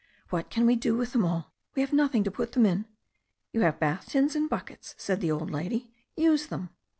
"What can we do with them all? We have nothing to put them in." "You have bath tins and buckets," said the old lady. "Use them."